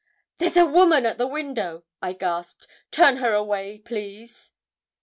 'There's a woman at the window!' I gasped; 'turn her away, please.'